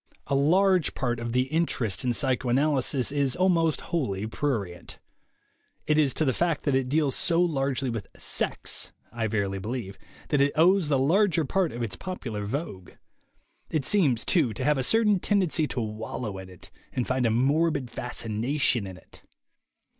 A large part of the interest in psychoanalysis is almost wholly prurient. It is to the fact that it deals so largely with "sex," I verily believe, that it owes the larger part of its popular vogue. It seems, too, to have a certain tendency to wallow in it and find a morbid fascination in it.